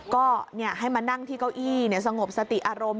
ก็ให้มานั่งที่เก้าอี้สงบสติอารมณ์